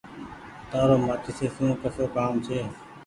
تآرو مآچيسي سون ڪسو ڪآم ڇي۔